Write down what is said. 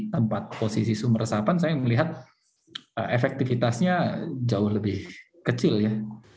tempat posisi sumur resapan saya melihat efektivitasnya jauh lebih kecil ya